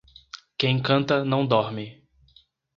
Quem canta não dorme